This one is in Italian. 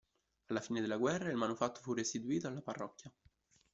Alla fine della guerra il manufatto fu restituito alla parrocchia.